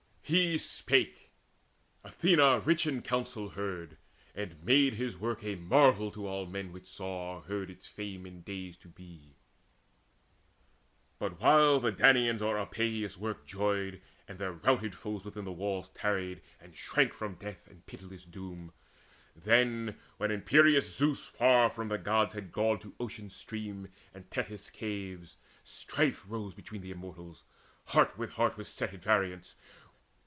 He spake: Athena rich in counsel heard, And made his work a marvel to all men Which saw, or heard its fame in days to be. But while the Danaans o'er Epeius' work Joyed, and their routed foes within the walls Tarried, and shrank from death and pitiless doom, Then, when imperious Zeus far from the Gods Had gone to Ocean's streams and Tethys' caves, Strife rose between the Immortals: heart with heart Was set at variance.